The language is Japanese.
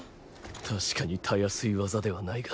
確かにたやすい技ではないが。